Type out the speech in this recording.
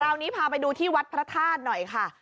นี้พาไปดูที่วัดพระธาตุหน่อยค่ะ